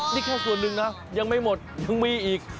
นี่แค่ส่วนหนึ่งนะยังไม่หมดยังมีอีก